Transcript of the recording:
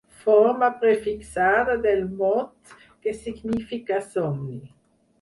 Forma prefixada del mot que significa somni.